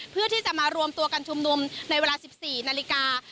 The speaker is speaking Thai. เพื่อที่จะมารวมตัวกันชุมนุมในเวลา๑๔นาฬิกา